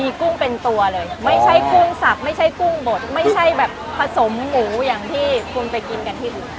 มีกุ้งเป็นตัวเลยไม่ใช่กุ้งสับไม่ใช่กุ้งบดไม่ใช่แบบผสมหมูอย่างที่คุณไปกินกันที่อื่น